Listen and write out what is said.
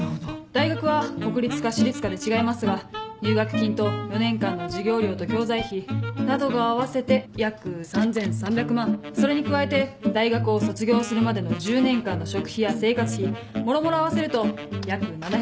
大学は国立か私立かで違いますが入学金と４年間の授業料と教材費などが合わせて約３３００万それに加えて大学を卒業するまでの１０年間の食費や生活費もろもろ合わせると約７００万。